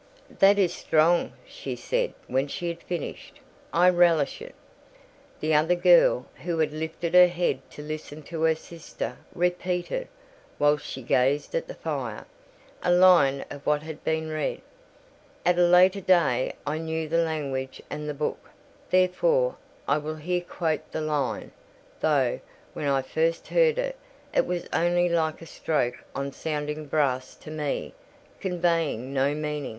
"That is strong," she said, when she had finished: "I relish it." The other girl, who had lifted her head to listen to her sister, repeated, while she gazed at the fire, a line of what had been read. At a later day, I knew the language and the book; therefore, I will here quote the line: though, when I first heard it, it was only like a stroke on sounding brass to me—conveying no meaning:— "'Da trat hervor Einer, anzusehen wie die Sternen Nacht.